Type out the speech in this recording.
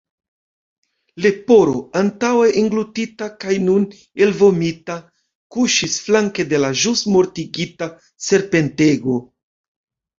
Leporo, antaŭe englutita kaj nun elvomita, kuŝis flanke de la ĵus mortigita serpentego.